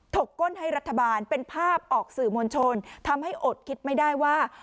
กก้นให้รัฐบาลเป็นภาพออกสื่อมวลชนทำให้อดคิดไม่ได้ว่า